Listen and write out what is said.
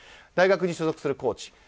大学に所属するコーチ。